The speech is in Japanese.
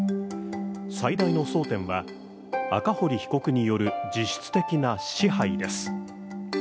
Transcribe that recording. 最大の争点は、赤堀被告による実質的は支配です。